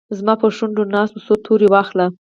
زما پرشونډو ناست، څو توري واخلې